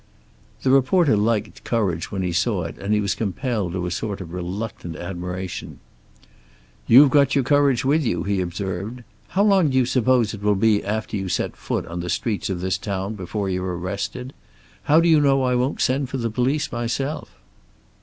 The reporter liked courage when he saw it, and he was compelled to a sort of reluctant admiration. "You've got your courage with you," he observed. "How long do you suppose it will be after you set foot on the streets of this town before you're arrested? How do you know I won't send for the police myself?"